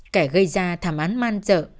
cả gây ra thảm án man sợ